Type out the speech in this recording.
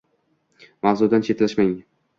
Mavzudan chetlashmang